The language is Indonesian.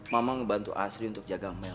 mama ngebantu asri untuk jaga mel